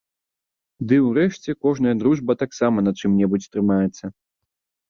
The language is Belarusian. Ды ўрэшце кожная дружба таксама на чым-небудзь трымаецца.